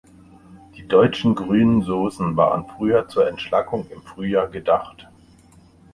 Die deutschen grünen Soßen waren früher zur Entschlackung im Frühjahr gedacht.